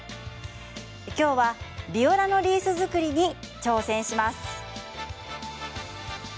今日はビオラのリース作りに挑戦します。